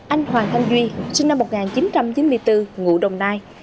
anh hoàng thanh duy sinh năm một nghìn chín trăm chín mươi bốn ngụ đồng nai